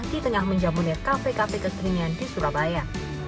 di tengah menjamunir kafe kafe keseringan di surabaya